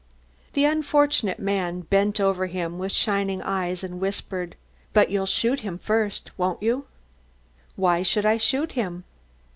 The unfortunate man bent over him with shining eyes and whispered: "But you'll shoot him first, won't you?" "Why should I shoot him?"